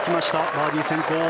バーディー先行。